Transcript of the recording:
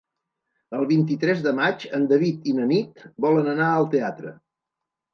El vint-i-tres de maig en David i na Nit volen anar al teatre.